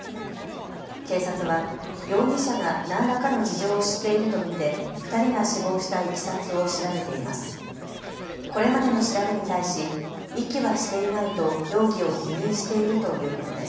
警察は容疑者が何らかの事情を知っていると見て２人が死亡したいきさつを調べています。